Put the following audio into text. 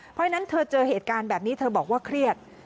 เพราะฉะนั้นเธอเจอเหตุการณ์แบบนี้เธอบอกว่าเครียด